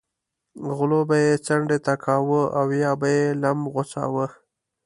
غلو به یې څنډې ته کاوه او یا به یې لم غوڅاوه.